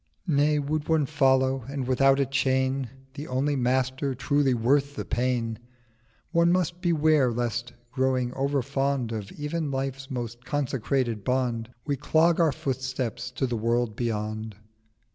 940 'Nay, would one follow, and without a Chain, The only Master truly worth the Pain, One must beware lest, growing over fond Of even Life's more consecrated Bond, We clog our Footsteps to the World beyond.